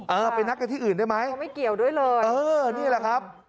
เออไปนัดกันที่อื่นได้ไหมเขาไม่เกี่ยวด้วยเลยเออนี่แหละครับ